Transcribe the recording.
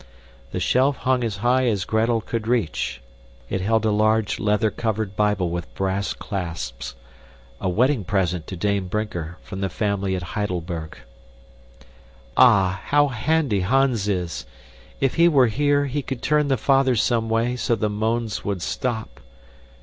The shelf hung as high as Gretel could reach. It held a large leather covered Bible with brass clasps, a wedding present to Dame Brinker from the family at Heidelberg. Ah, how handy Hans is! If he were here, he could turn the father some way so the moans would stop.